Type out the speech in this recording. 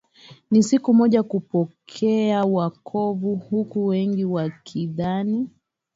ni siku moja kupokea wokovu huku wengi wakidhani